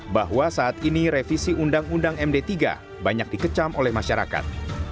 bahwa saat ini revisi undang undang md tiga banyak dikecam oleh masyarakat